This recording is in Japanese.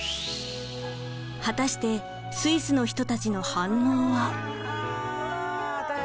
果たしてスイスの人たちの反応は。